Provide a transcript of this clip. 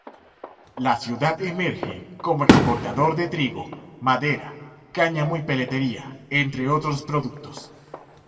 La ciudad emerge como exportador de trigo, madera, cáñamo y peletería entre otros productos.